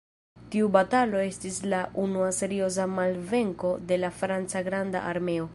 Tiu batalo estis la unua serioza malvenko de la franca "granda armeo".